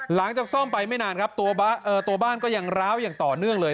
หลังจากซ่อมไปไม่นานครับตัวบ้านก็ยังร้าวอย่างต่อเนื่องเลย